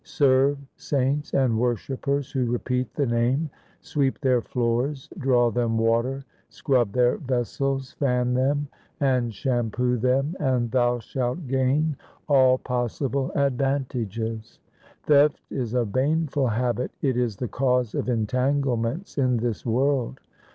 Serve saints and worshippers who repeat the Name, sweep their floors, draw them water, scrub their vessels, fan them, and shampoo them, and thou shalt gain all possible ad vantages. Theft is a baneful habit. It is the cause of entanglements in this world.